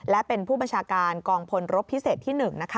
และเป็นผู้บัญชาการกองพลรบพิเศษที่๑นะคะ